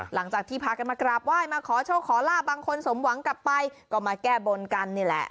หลังจากที่พากันมากราบไหว้มาขอโชคขอลาบบางคนสมหวังกลับไปก็มาแก้บนกันนี่แหละ